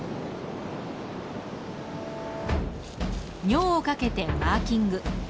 尿をかけてマーキング。